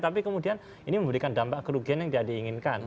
tapi kemudian ini memberikan dampak kerugian yang tidak diinginkan